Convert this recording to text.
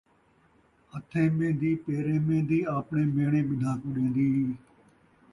ہتھیں مین٘دی پیریں مین٘دی ، آپݨے مہݨے ٻنہاں کوں ݙین٘دی